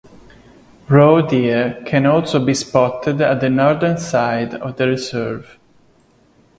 Roe deer can also be spotted at the northern side of the reserve.